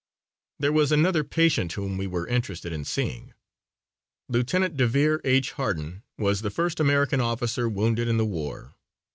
There was another patient whom we were interested in seeing. Lieutenant Devere H. Harden was the first American officer wounded in the war.